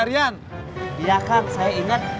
ya kan saya inget